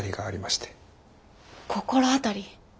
心当たり？